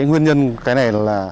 nguyên nhân cái này là